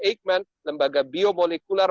eijkman lembaga bio molekular